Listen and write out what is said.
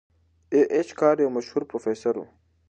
ای اېچ کار یو مشهور پروفیسور و.